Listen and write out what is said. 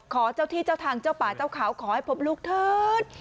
ขอเจ้าที่เจ้าทางเจ้าป่าเจ้าเขาขอให้พบลูกเถิด